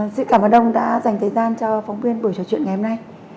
xin cảm ơn ông đã dành thời gian cho phóng viên buổi trò chuyện ngày hôm nay